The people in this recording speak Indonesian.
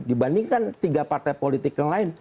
dibandingkan tiga partai politik yang lain